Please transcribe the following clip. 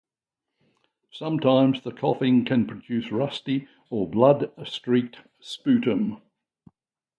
Sometimes the coughing can produce rusty or blood-streaked sputum.